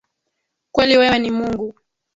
Kweli wewe ni Mungu